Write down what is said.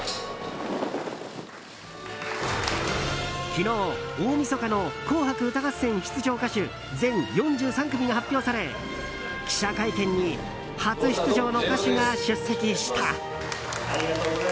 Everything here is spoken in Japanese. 昨日、大みそかの「紅白歌合戦」出場歌手全４３組が発表され、記者会見に初出場の歌手が出席した。